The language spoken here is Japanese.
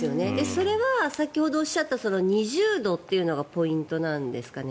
それは先ほどおっしゃった２０度というのがポイントなんですかね？